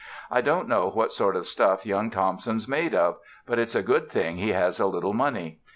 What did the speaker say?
I don't know what sort of stuff young Thompson's made of, but it's a good thing he has a little money.